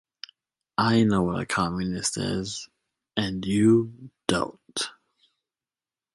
I know what a Communist is and you don't.